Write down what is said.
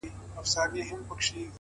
• يو له بله يې وهلي وه جگړه وه ,